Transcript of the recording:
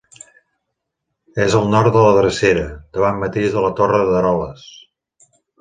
És al nord de la Drecera, davant mateix de la Torre d'Eroles.